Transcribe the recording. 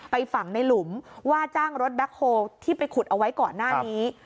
ฝั่งในหลุมว่าจ้างรถแบ็คโฮลที่ไปขุดเอาไว้ก่อนหน้านี้